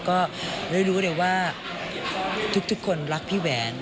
ก็ได้รู้เลยว่าทุกคนรักพี่แหวน